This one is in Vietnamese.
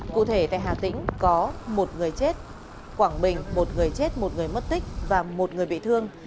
cụ thể tại hà tĩnh có một người chết quảng bình một người chết một người mất tích và một người bị thương